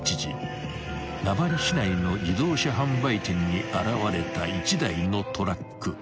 ［名張市内の自動車販売店に現れた一台のトラック］